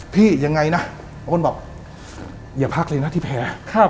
พี่ยังไงนะเขาก็บอกอย่าพักเลยนะที่แผล